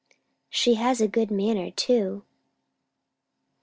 "She has a good manner, too."